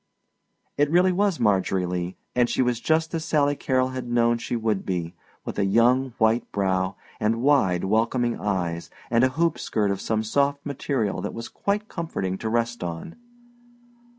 It really was Margery Lee, and she was just as Sally Carrol had known she would be, with a young, white brow, and wide welcoming eyes, and a hoop skirt of some soft material that was quite comforting to rest on.